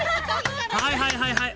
はいはいはいはい！